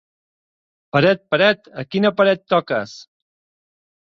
Peret, Peret, a quina paret toques?